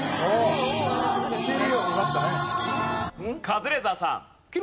カズレーザーさん。